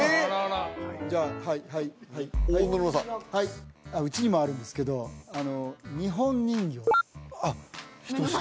じゃあはいはいはい野々村さんうちにもあるんですけど日本人形あっヒトシ